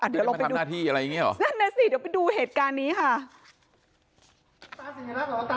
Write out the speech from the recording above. เดี๋ยวเราไปดูเหตุการณ์นี้ค่ะนั่นแหละสิเดี๋ยวไปดูเหตุการณ์นี้ค่ะ